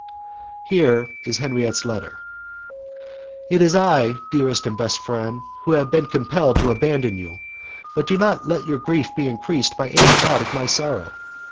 Here is Henriette's letter "It is I, dearest and best friend, who have been compelled to abandon you, but do not let your grief be increased by any thought of my sorrow.